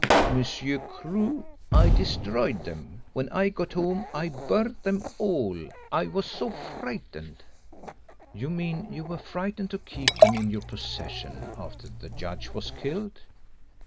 "Monsieur Crewe, I destroyed them. When I got home I burnt them all I was so frightened." "You mean you were frightened to keep them in your possession after the judge was killed?"